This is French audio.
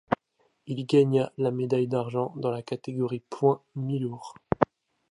Il gagna la médaille d'argent dans la catégorie poids mi-lourd.